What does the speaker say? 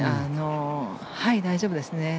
はい、大丈夫ですね。